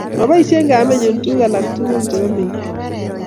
Moboisie kamenyu tuguk alak tugul chebo milky